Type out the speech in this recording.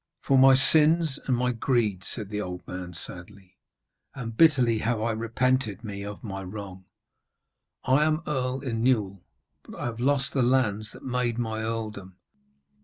'For my sins and my greed,' said the old man sadly, 'and bitterly have I repented me of my wrong. I am Earl Inewl, but I have lost the lands that made my earldom.